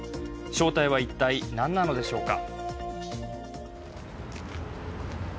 正体は一体何なのでしょうか。